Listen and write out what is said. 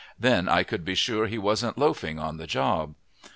Then I could be sure he wasn't loafing on the job!